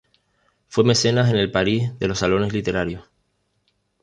Fue mecenas en el París de los salones literarios.